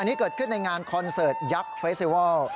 อันนี้เกิดขึ้นในงานคอนเสิร์ตยักษ์เฟสติวัล